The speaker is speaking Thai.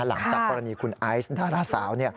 หลังจากพอรณีคุณไอซ์ดาราสาว